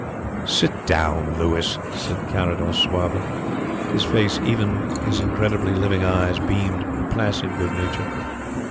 "Sit down, Louis," said Carrados suavely. His face, even his incredibly living eyes, beamed placid good nature.